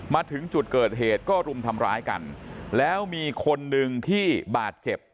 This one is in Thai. มาถึงจุดเกิดเหตุก็รุมทำร้ายกันแล้วมีคนหนึ่งที่บาดเจ็บ